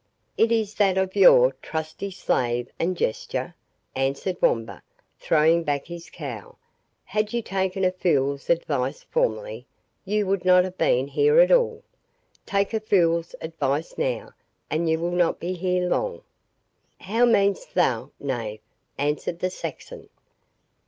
"It is that of your trusty slave and jester," answered Wamba, throwing back his cowl. "Had you taken a fool's advice formerly, you would not have been here at all. Take a fool's advice now, and you will not be here long." "How mean'st thou, knave?" answered the Saxon.